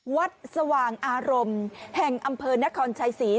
สว่างอารมณ์แห่งอำเภอนครชัยศรี